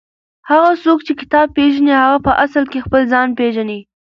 هغه څوک چې کتاب پېژني هغه په اصل کې خپل ځان پېژني.